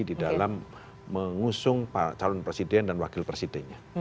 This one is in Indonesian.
di dalam mengusung calon presiden dan wakil presidennya